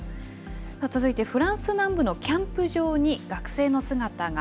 続いてフランス南部のキャンプ場に学生の姿が。